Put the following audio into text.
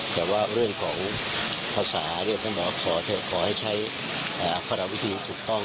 แต่ว่าเรื่องของภาษาเนี่ยท่านบอกขอให้ใช้ภาระวิธีถูกต้อง